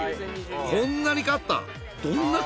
こんなに買ったん？